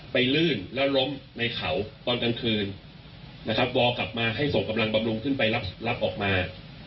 ลื่นแล้วล้มในเขาตอนกลางคืนนะครับวอลกลับมาให้ส่งกำลังบำรุงขึ้นไปรับออกมา